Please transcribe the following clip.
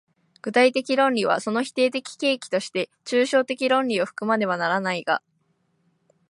具体的論理はその否定的契機として抽象的論理を含まねばならないが、